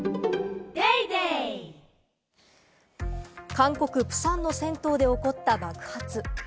韓国・プサンの銭湯で起こった爆発。